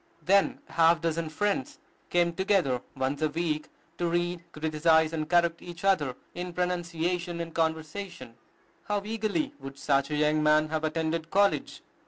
Then a half dozen friends came together once a week to read, criticise, and correct each other in pronunciation and conversation. How eagerly would such a young man have attended college!